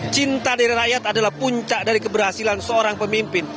cinta dari rakyat adalah puncak dari keberhasilan seorang pemimpin